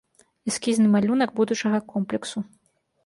Эскізны малюнак будучага комплексу.